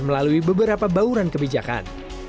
melalui beberapa bauran kebijakan